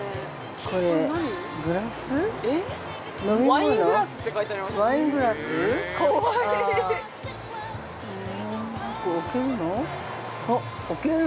◆ワイングラスって書いてある。